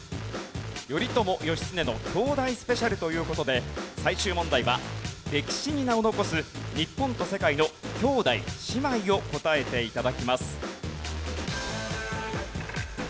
頼朝・義経の兄弟スペシャルという事で最終問題は歴史に名を残す日本と世界の兄弟・姉妹を答えて頂きます。